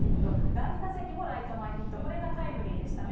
第２打席もライト前ヒット、これがタイムリーでしたね。